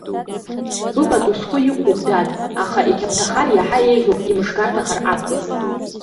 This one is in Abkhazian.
Быпату схы иқәуп, дад, аха иқьаԥҭахар иаҳа еиӷьуп, имышгарҭахар аҵкыс.